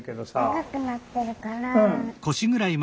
長くなってるから。